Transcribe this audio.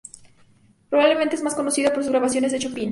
Probablemente es más conocida por sus grabaciones de Chopin.